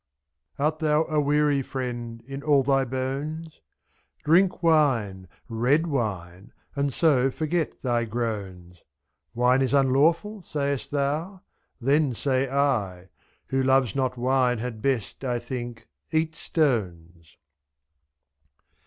28 Art thou aweary, friend, in all thy bones ? Drink wine, red wine, and so forget thy groans ; 2?. Wine is unlawful, sayst thou? then say I — Who loves not wine had best, I think, eat stones.